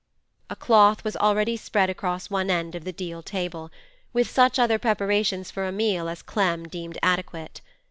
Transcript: A cloth was already spread across one end of the deal table, with such other preparations for a meal as Clem deemed adequate.